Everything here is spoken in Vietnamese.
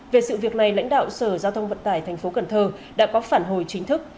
về sự việc này lãnh đạo sở giao thông vận tài tp hcm đã có phản hồi chính thức